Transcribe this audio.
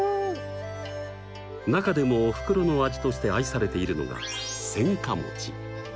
中でもおふくろの味として愛されているのが鮮花。